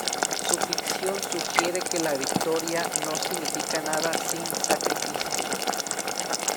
Su ficción sugiere que "la victoria no significa nada sin sacrificio.